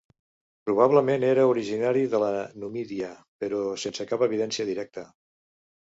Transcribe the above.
Probablement era originari de la Numídia, però sense cap evidència directa.